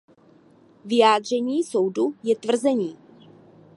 Vyjádření soudu je tvrzení.